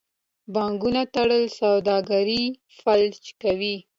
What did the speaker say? د بانکونو تړل سوداګري فلج کوي.